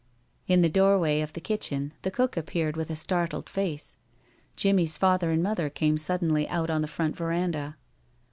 In the doorway of the kitchen the cook appeared with a startled face. Jimmie's father and mother came suddenly out on the front veranda.